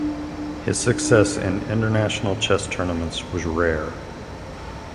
His success in international chess tournaments was rare.